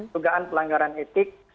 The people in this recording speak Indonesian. tugaan pelanggaran etik